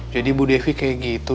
jadi bu devi kayak gitu